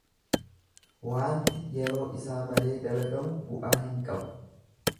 Waanti yeroo isaa malee dalagamu bu'aa hin qabu.